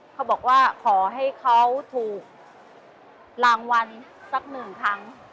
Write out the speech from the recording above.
เขาบอกว่าขอให้เขาถูกรางวัลสักหนึ่งครั้ง